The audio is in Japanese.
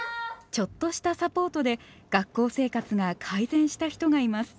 ちょっとしたサポートで学校生活が改善した人がいます。